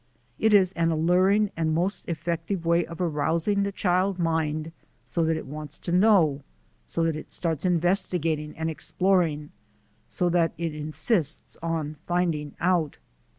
It is an alluring and most effective way of arousing the child mind so that it wants to know, so that it starts investigating and exploring, so that it insists on finding out.